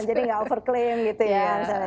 jadi tidak over claim gitu ya